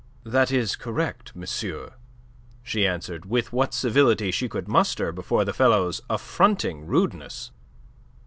"That is correct, monsieur," she answered, with what civility she could muster before the fellow's affronting rudeness.